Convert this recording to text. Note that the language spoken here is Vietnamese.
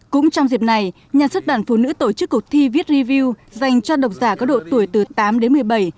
cũng trong dịp này nhà xuất bản phụ nữ tổ chức cuộc thi viết review dành cho độc giả có độ tuổi từ tám đến một mươi bảy